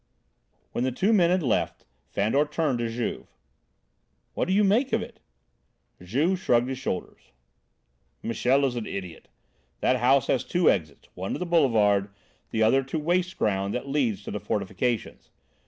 When the two men had left, Fandor turned to Juve. "What do you make of it?" Juve shrugged his shoulders. "Michel is an idiot. That house has two exits; one to the Boulevard, the other to waste ground that leads to the fortifications.